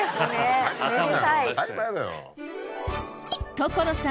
所さん